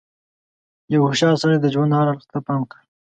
• یو هوښیار سړی د ژوند هر اړخ ته پام کوي.